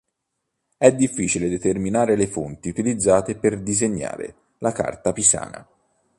È difficile determinare le fonti utilizzate per disegnare la "Carta Pisana".